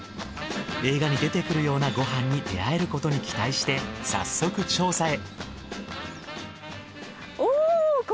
映画に出てくるようなご飯に出会えることに期待して早速調査へ。